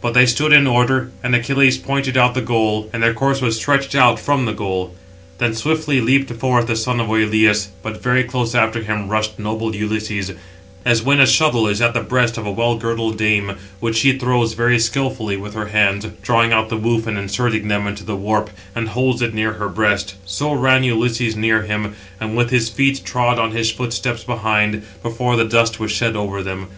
But they stood in order, and Achilles pointed out the goal; and their course was stretched out from the goal. 771 Then swiftly leaped forth the son of Oïleus; but very close after him rushed noble Ulysses; as when a shuttle is at the breast of a well girdled dame, which she throws very skilfully with her hands, drawing out the woof, [and inserting them] into the warp, and holds it near her breast: so ran Ulysses near him; and with his feet trod on his footsteps behind, before the dust was shed over them.